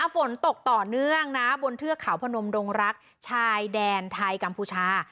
ฝนตกต่อเนื่องนะบนเทือกเขาพนมดงรักชายแดนไทยกัมพูชา